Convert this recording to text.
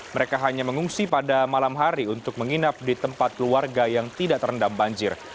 mereka hanya mengungsi pada malam hari untuk menginap di tempat keluarga yang tidak terendam banjir